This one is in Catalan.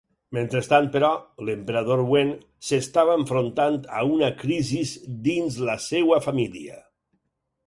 Mentrestant, però, l'emperador Wen s'estava enfrontant a una crisis dins la seva família.